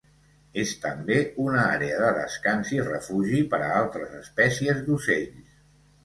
És també una àrea de descans i refugi per a altres espècies d'ocells.